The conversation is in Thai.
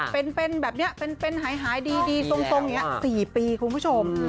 เป็นแบบนี้เป็นหายดีทรงอย่างนี้๔ปีคุณผู้ชม